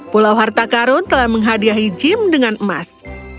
pulau harta karun telah menghadiahi gym dengan emas